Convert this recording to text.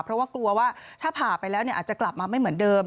เพราะว่ากลัวว่าถ้าผ่าไปแล้วอาจจะกลับมาไม่เหมือนเดิม